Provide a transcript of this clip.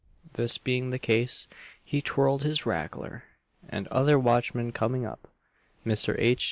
This being the case, he "twirled his rackler," and other watchmen coming up, Mr. H.